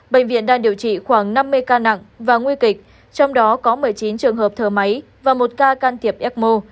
bệnh viện đang điều trị khoảng năm mươi ca nặng và nguy kịch trong đó có một mươi chín trường hợp thở máy và một ca can thiệp ecmo